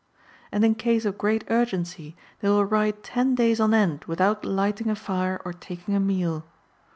^ And in case of great urgency they will ride ten days on end without lighting a fire or taking a meal.